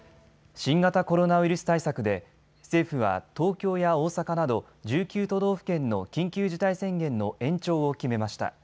新型コロナウイルス対策で政府は東京や大阪など１９都道府県の緊急事態宣言の延長を決めました。